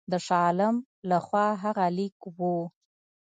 د شاه عالم له خوا هغه لیک وو.